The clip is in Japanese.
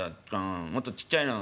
もっとちっちゃいの。